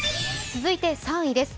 続いて３位です。